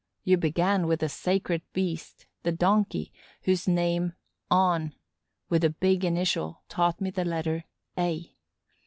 You began with the sacred beast, the Donkey, whose name, Âne, with a big initial, taught me the letter A.